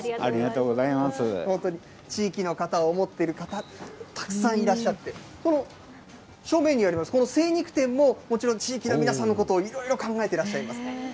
本当に地域の方を思ってる方たくさんいらっしゃって、この正面にあります、この精肉店もこちらの地域の皆さんのことをいろいろ考えてらっしゃいます。